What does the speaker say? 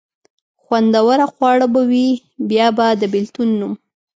خوندور خواړه به وي، بیا به د بېلتون نوم.